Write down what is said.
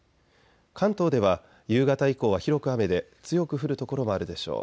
関東では夕方以降は広く雨で強く降る所もあるでしょう。